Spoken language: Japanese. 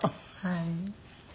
はい。